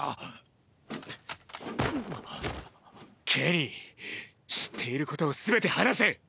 ケニー知っていることをすべて話せ！